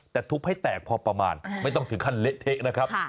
แต่ทุบให้แตกพอประมาณไม่ต้องถึงขั้นเละเทะนะครับ